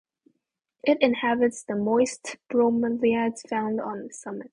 It inhabits the moist bromeliads found on the summit.